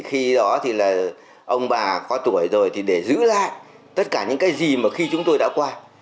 khi đó thì là ông bà có tuổi rồi thì để giữ lại tất cả những cái gì mà khi chúng tôi đã qua